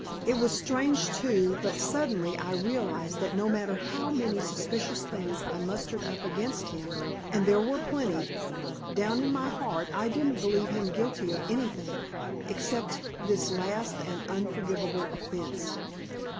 It was strange, too, but suddenly I realized that no matter how many suspicious things I mustered up against him and there were plenty down in my heart I didn't believe him guilty of anything, except this last and unforgivable offense.